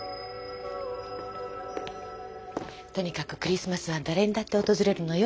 とにかくクリスマスは誰にだって訪れるのよ。